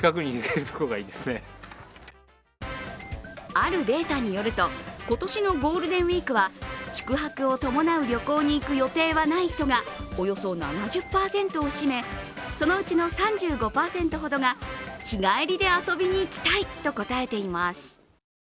あるデータによると、今年のゴールデンウイークは宿泊を伴う旅行に行く予定はない人がおよそ７０％を占めそのうちの３５％ほどが日帰りで遊びに行きたいと答えています。